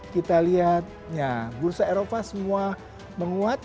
kita lihat bursa eropa semua menguat